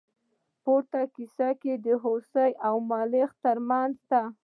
پورتنۍ کیسه د هوسۍ او ملخ تر منځ ده.